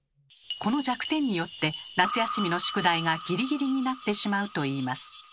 この弱点によって夏休みの宿題がギリギリになってしまうといいます。